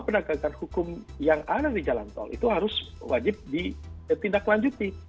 penegakan hukum yang ada di jalan tol itu harus wajib ditindaklanjuti